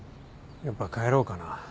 やっぱ帰ろうかな。